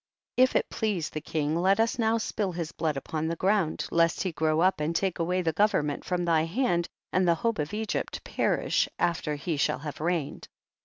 19. If it please the king, let us now spill his blood upon the ground, lest he grow up and take away the government from thy hand, and the hope of I^gypt perish after he shall have reigned.